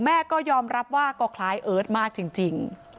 แม่ก็ยอมรับว่าก็คล้ายเอิร์ทมากจริง